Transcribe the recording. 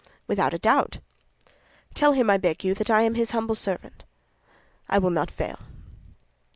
"Without a doubt." "Tell him, I beg you, that I am his humble servant." "I will not fail."